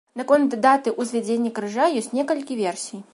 Наконт даты ўзвядзення крыжа ёсць некалькі версій.